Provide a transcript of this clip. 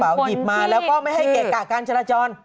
เสี่ยงกระเป๋ากระเป๋าหยิบมาแล้วก็ไม่ให้เกื่อกล่าคการเจรจร